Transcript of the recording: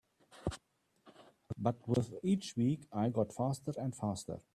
But with each week I got faster and faster.